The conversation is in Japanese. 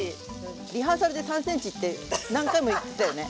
リハーサルで３ｃｍって何回も言ってたよね？